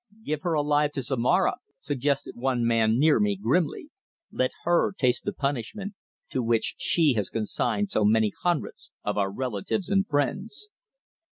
"Give her alive to Zomara!" suggested one man near me, grimly. "Let her taste the punishment to which she has consigned so many hundreds of our relatives and friends."